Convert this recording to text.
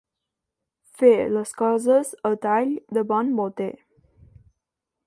Fer les coses a tall de bon boter.